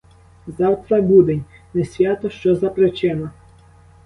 Завтра будень, не свято — що за причина?